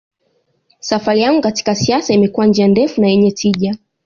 Safari yangu katika siasa imekuwa njia ndefu na yenye tija